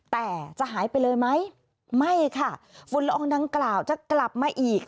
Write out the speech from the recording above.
แต่จะหายไปเลยไหมไม่ค่ะฝุ่นละอองดังกล่าวจะกลับมาอีก